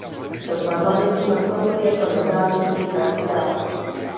Do parlamentu nastoupil jako nezávislý kandidát.